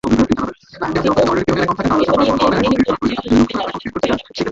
কিন্তু নিরীহ গরীব বেচারাদের পক্ষে এটা বড় কঠিন ব্যাপার।